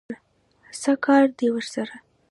څه کار دی ورسره؟